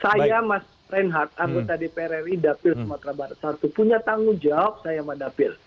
saya mas reinhardt anggota dpr ri dapil sumatera barat satu punya tanggung jawab saya sama dapil